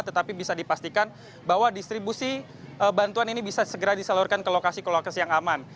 tetapi bisa dipastikan bahwa distribusi bantuan ini bisa segera disalurkan ke lokasi ke lokasi yang aman